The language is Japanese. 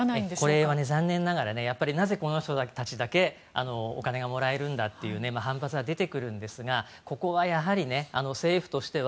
これは残念ながらなぜこの人たちだけお金がもらえるんだという反発は出てくるんですがここはやはり、政府としては